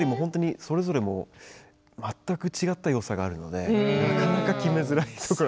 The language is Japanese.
それぞれも全く違ったよさがあるのでなかなか決めづらいところが。